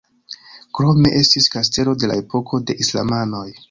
Krome estis kastelo de la epoko de islamanoj.